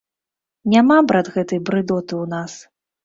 Няма, брат, гэтай брыдоты ў нас!